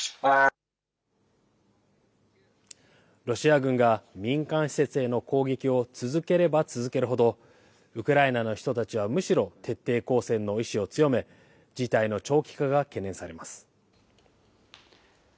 ロシア軍が民間施設への攻撃を続ければ続けるほど、ウクライナの人たちはむしろ徹底抗戦の意思を強め、事態の長期化が懸念されます。